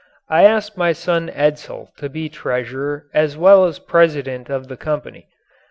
I asked my son Edsel to be treasurer as well as president of the company.